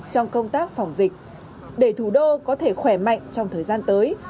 các phòng dịch để thủ đô có thể khỏe mạnh trong thời gian tới